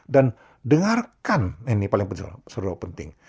dan dengarkan ini paling penting